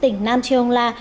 tỉnh nam trường la